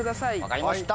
分かりました。